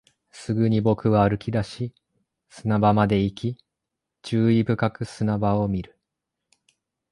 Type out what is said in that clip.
すぐに僕は歩き出し、砂場まで行き、注意深く砂場を見る